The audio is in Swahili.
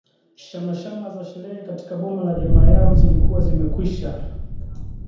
Shamrashamra za sherehe katika boma la jamaa yao zilikuwa zimekwisha